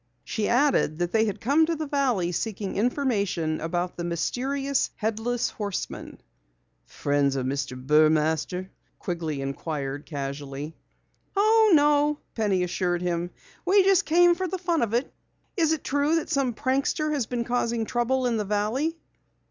She added that they had come to the valley seeking information about the mysterious Headless Horseman. "Friends of Mr. Burmaster?" Quigley inquired casually. "Oh, no," Penny assured him. "We just came for the fun of it. Is it true that some prankster has been causing trouble in the valley?"